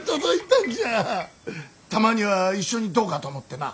たまには一緒にどうかと思ってな。